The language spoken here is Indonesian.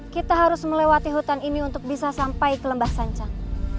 kita harus melewati hutan ini untuk bisa sampai ke lembah sancang